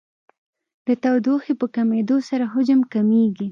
د تودوخې په کمېدو سره حجم کمیږي.